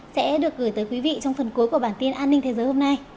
sẽ được gửi tới quý vị trong phần cuối của bản tin an ninh thế giới hôm nay